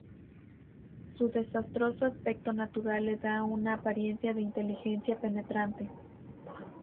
Su desastroso aspecto natural le da una apariencia de inteligencia penetrante.